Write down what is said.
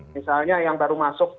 misalnya yang baru masuk